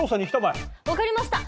分かりました。